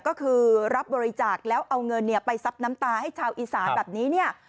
ก็คือรับบริจาคแล้วเอาเงินไปซับน้ำตาให้ชาวอีสานแบบนี้เนี่ย